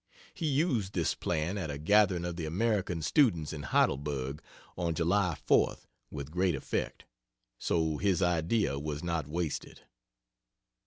[He used this plan at a gathering of the American students in Heidelberg, on July 4th, with great effect; so his idea was not wasted.